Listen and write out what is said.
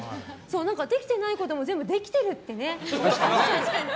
できてないことも全部できてるっておっしゃる。